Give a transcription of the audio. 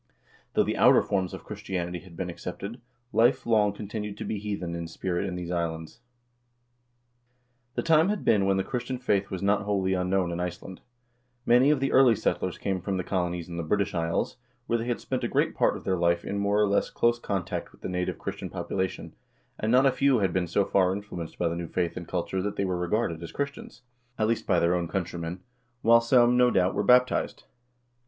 Though the outer forms of Christianity had been accepted, life long continued to be heathen in spirit in these islands. The time had been when the Christian faith was not wholly un known in Iceland. Many of the early settlers came from the colo nies in the British Isles, where they had spent a great part of their life in more or less close contact with the native Christian popula tion, and not a few had been so far influenced by the new faith and culture that they were regarded as Christians, at least by their own 1 Faereyingasaga, ch. 23. Konrad Maurer, Bekehrung des norwegischen Stammes, I., 339 346. OLAV TRYGGVASON 191 countrymen, while some, no doubt, were baptized.